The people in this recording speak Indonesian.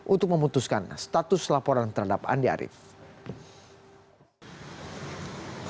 untuk memutuskan status laporan terhadap andi arief